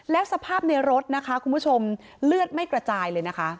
แล้วสภาพในรถนะคะคุณผู้ชมเลือดไม่กระจายเลยนะคะ